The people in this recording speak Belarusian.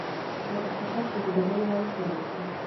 Гэта спачатку задаволіла ўсе бакі.